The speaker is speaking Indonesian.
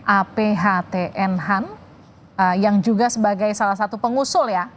aphtnhan yang juga sebagai salah satu pengusul ya